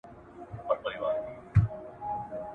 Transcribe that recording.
• پاچهي پاچهانو لره ښايي، لويي خداى لره.